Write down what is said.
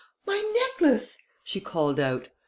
"My necklace!" she called out.